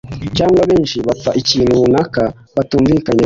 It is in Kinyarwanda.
cyangwa benshi bapfa ikintu runaka batumvikanyeho